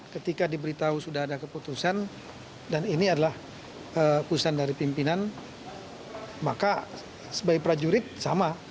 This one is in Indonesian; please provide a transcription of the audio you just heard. ketika diberitahu sudah ada keputusan dan ini adalah keputusan dari pimpinan maka sebagai prajurit sama